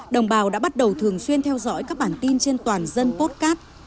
đồng bào đã bắt đầu thường xuyên theo dõi các bản tin trên toàn dân potcap